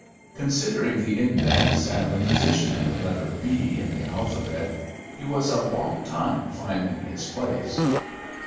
Considering the index and the position of the letter B in the alphabet, he was a long time finding his place.